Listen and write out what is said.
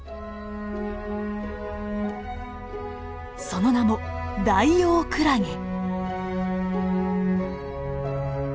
その名もダイオウクラゲ。